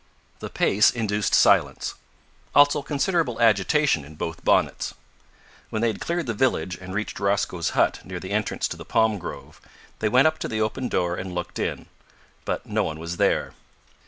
The pace induced silence, also considerable agitation in both bonnets. When they had cleared the village, and reached Rosco's hut near the entrance to the palm grove, they went up to the open door and looked in, but no one was there.